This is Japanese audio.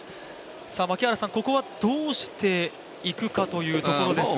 ここはどうしていくかというところですが。